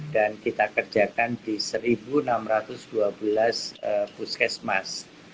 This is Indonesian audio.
dan kita kerjakan di seribu enam ratus dua belas puskesmas